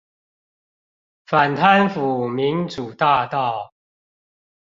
反貪腐民主大道